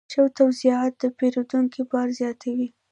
ښه توضیحات د پیرودونکي باور زیاتوي.